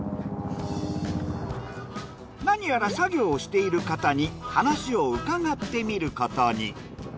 何やら作業をしている方に話を伺ってみることに。